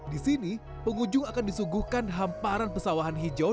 di sini pengunjung akan disuguhkan hamparan pesawahan hijau